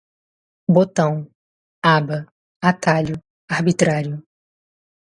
botão, aba, atalho, arbitrário